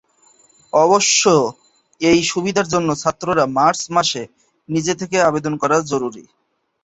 অবশ্য এই সুবিধার জন্য ছাত্ররা মার্চ মাসে নিজে থেকে আবেদন করা জরুরী।